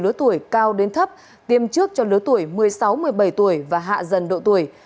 lứa tuổi cao đến thấp tiêm trước cho lứa tuổi một mươi sáu một mươi bảy tuổi và hạ dần độ tuổi